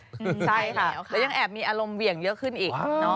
ใช่แล้วค่ะแล้วยังแอบมีอารมณ์เหวี่ยงเยอะขึ้นอีก